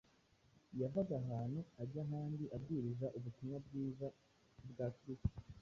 Yavaga ahantu ajya ahandi, abwiriza ubutumwa bwiza bwa Kristo,